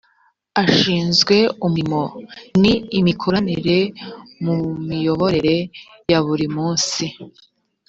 ashinzwe umurimo n’’imikoranire mu miyoborere ya buri munsi